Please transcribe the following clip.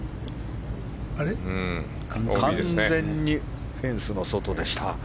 完全にフェンスの外でした。